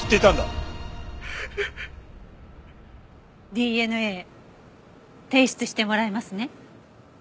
ＤＮＡ提出してもらえますね？